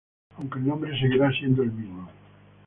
Aunque el nombre seguirá siendo el mismo.